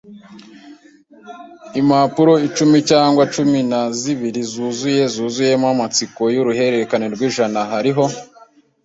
Impapuro icumi cyangwa cumi na zibiri zuzuye zuzuyemo amatsiko yuruhererekane rwinjira. Hariho